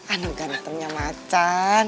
anak gantengnya macan